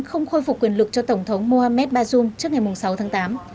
không khôi phục quyền lực cho tổng thống mohamed bazoum trước ngày sáu tháng tám